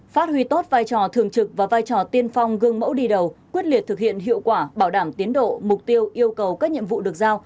phát huy tốt vai trò thường trực và vai trò tiên phong gương mẫu đi đầu quyết liệt thực hiện hiệu quả bảo đảm tiến độ mục tiêu yêu cầu các nhiệm vụ được giao